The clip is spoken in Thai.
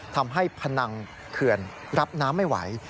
พนังเขื่อนรับน้ำไม่ไหว